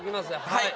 はい。